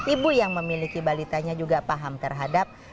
ibu yang memiliki balitanya juga paham terhadap